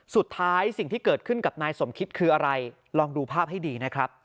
สิ่งที่เกิดขึ้นกับนายสมคิดคืออะไรลองดูภาพให้ดีนะครับ